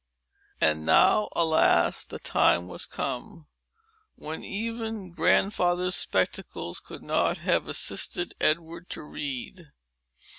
And now, alas! the time was come, when even grandfather's spectacles could not have assisted Edward to read.